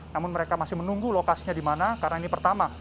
namun mereka masih menunggu lokasinya di mana karena ini pertama